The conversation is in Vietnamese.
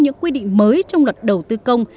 những quy định mới trong luật đầu tư công